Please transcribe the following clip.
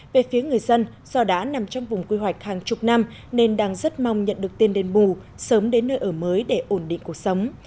về phía người dân do đã nằm trong vùng quy hoạch hàng chục năm nên đang rất mong nhận được tiền đền bù sớm đến nơi ở mới để ổn định cuộc sống